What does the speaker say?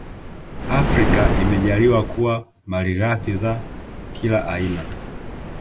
Afrika imejaaliwa kuwa malighafi za kila aina